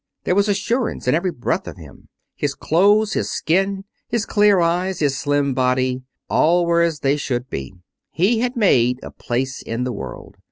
There was assurance in every breath of him. His clothes, his skin, his clear eyes, his slim body, all were as they should be. He had made a place in the world.